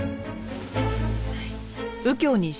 はい。